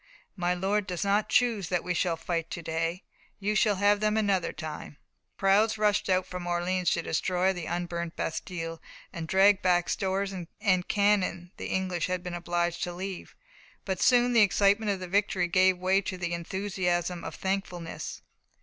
My Lord does not choose that we shall fight to day. You shall have them another time." Crowds rushed out from Orleans to destroy the unburnt bastiles, and dragged back the stores and cannon the English had been obliged to leave. But soon the excitement of victory gave way to the enthusiasm of thankfulness.